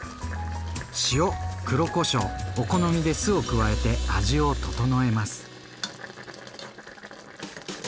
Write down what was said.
塩・黒こしょうお好みで酢を加えて味を調えます。